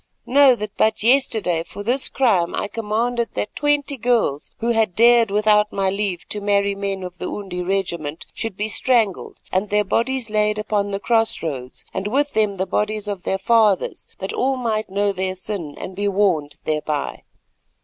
Know that but yesterday for this crime I commanded that twenty girls who had dared without my leave to marry men of the Undi regiment, should be strangled and their bodies laid upon the cross roads and with them the bodies of their fathers, that all might know their sin and be warned thereby.